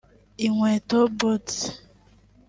inkweto (bottes)